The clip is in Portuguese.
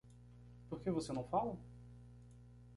Por que você não fala?